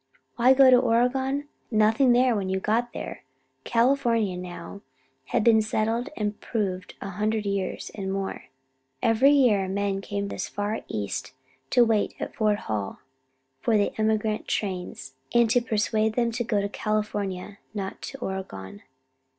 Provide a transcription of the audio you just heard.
Why go to Oregon? Nothing there when you got there. California, now, had been settled and proved a hundred years and more. Every year men came this far east to wait at Fort Hall for the emigrant trains and to persuade them to go to California, not to Oregon.